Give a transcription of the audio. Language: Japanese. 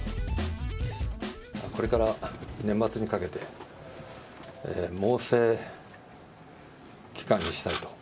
これから年末にかけて、猛省期間にしたいと。